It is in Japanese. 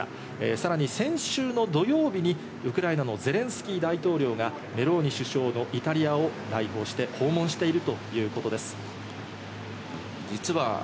さらに先週の土曜日にウクライナのゼレンスキー大統領が、メローニ首相のイタリアを代表して訪問しているということです。